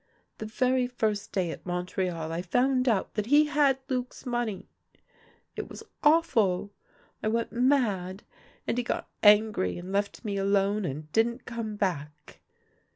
The very first day at Montreal I found out that he had Luc's money. It was awful ; I went mad, and he got angry and left me alone, and didn't come back.